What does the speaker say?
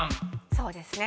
そうですね。